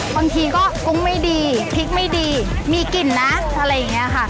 บางทีก็กุ้งไม่ดีพริกไม่ดีมีกลิ่นนะอะไรอย่างนี้ค่ะ